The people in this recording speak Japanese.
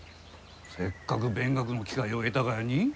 せっかく勉学の機会を得たがやに？